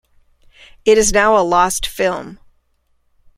It is now a lost film.